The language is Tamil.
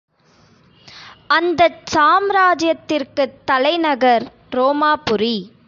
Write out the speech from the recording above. அந்தச் சாம்ராஜ்யத்திற்குத் தலைநகர் ரோமாபுரி.